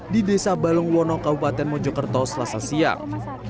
di desa balongwono kabupaten mojokerto selasa siang